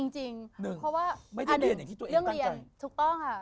จริงเพราะว่าอันหนึ่งเรื่องเรียนถูกต้องค่ะ